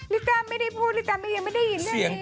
ลิซ่าไม่ได้พูดลิจ้ยังไม่ได้ยินเรื่องนี้